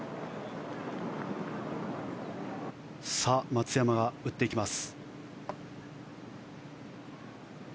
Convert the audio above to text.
松山が打っていきます。